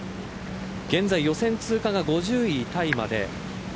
現在、予選通過が５０位タイまで。